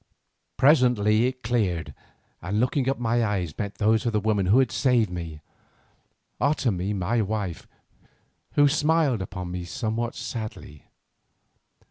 Presently it cleared, and looking up my eyes met those of the woman who had saved me, Otomie my wife, who smiled upon me somewhat sadly.